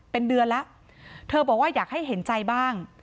เป็นเดือนแล้วเธอบอกว่าอยากให้เห็นใจบ้าง